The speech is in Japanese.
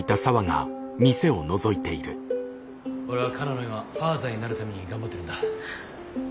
俺はカナの今ファーザーになるために頑張ってるんだ。